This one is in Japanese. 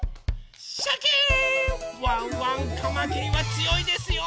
ワンワンかまきりはつよいですよ！